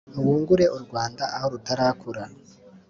wungure u rwanda aho rutarakura